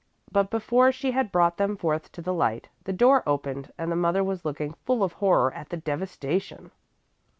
But before she had brought them forth to the light, the door opened and the mother was looking full of horror at the devastation.